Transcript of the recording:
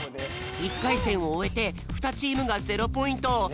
１かいせんをおえて２チームが０ポイント！